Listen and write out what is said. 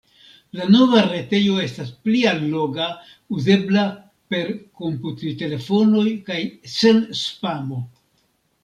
La nova retejo estas pli alloga, uzebla per komputiltelefonoj kaj sen spamo!